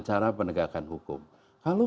cara penegakan hukum kalau